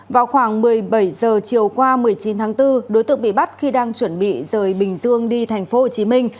vào khoảng một mươi bảy giờ chiều qua một mươi chín tháng bốn đối tượng bị bắt khi đang chuẩn bị rời bình dương đi thành phố hồ chí minh